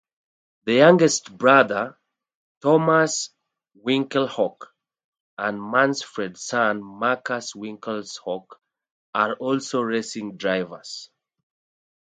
The youngest brother, Thomas Winkelhock, and Manfred's son Markus Winkelhock are also racing drivers.